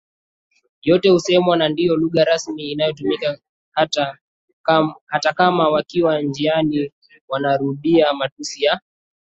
yote husemwa na ndio lugha rasmi inayotumika hata kama wakiwa njiani wanarudiMatusi ya